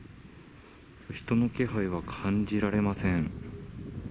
人の気配は感じられません。